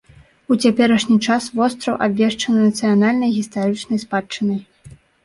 У цяперашні час востраў абвешчаны нацыянальнай гістарычнай спадчынай.